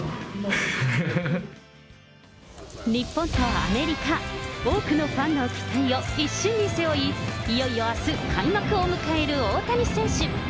日本とアメリカ、多くのファンの期待をいっしんに背負い、いよいよあす開幕を迎える大谷選手。